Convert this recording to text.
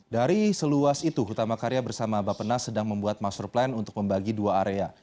dari seluas itu hutama karya bersama bapak nas sedang membuat master plan untuk membagi dua area